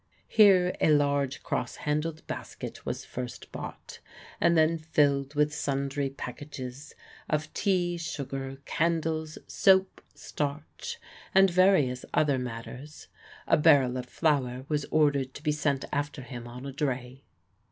Here a large cross handled basket was first bought, and then filled with sundry packages of tea, sugar, candles, soap, starch, and various other matters; a barrel of flour was ordered to be sent after him on a dray.